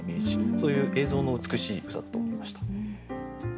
そういう映像の美しい歌だと思いました。